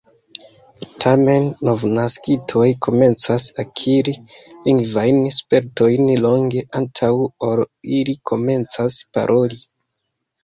Tamen, novnaskitoj komencas akiri lingvajn spertojn longe antaŭ ol ili komencas paroli.